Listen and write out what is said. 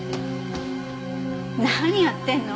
何やってんの？